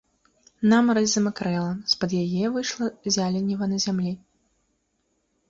Намаразь замакрэла, з-пад яе выйшла зяленіва на зямлі.